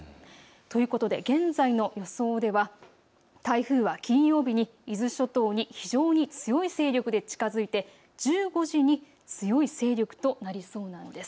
ということで現在の予想では台風は金曜日に伊豆諸島に非常に強い勢力で近づいて１５時に強い勢力となりそうなんです。